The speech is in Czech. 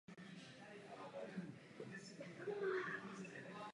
Pochází ze Švýcarska.